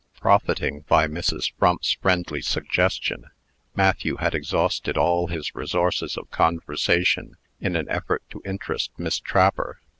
Profiting by Mrs. Frump's friendly suggestion, Matthew had exhausted all his resources of conversation in an effort to interest Miss Trapper.